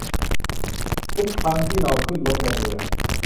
ทุกครั้งที่เราขึ้นรถลงเรือ